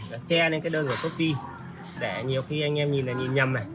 nó che lên cái đơn của shopee để nhiều khi anh em nhìn là nhìn nhầm này